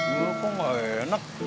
ya kok gak enak